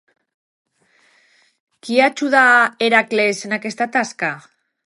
Qui ajudà Hèracles en aquesta tasca?